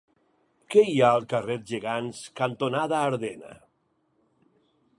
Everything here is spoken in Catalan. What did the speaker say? Què hi ha al carrer Gegants cantonada Ardena?